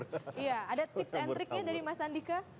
iya ada tips and triknya dari mas andika